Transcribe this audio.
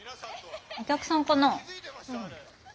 お客さんかな。